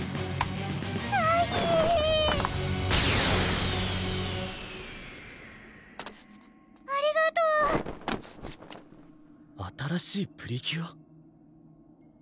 はひありがとう新しいプリキュア？